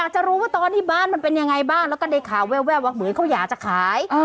จะรู้ว่าตอนที่บ้านมันเป็นยังไงบ้างแล้วก็ได้ข่าวแววว่าเหมือนเขาอยากจะขาย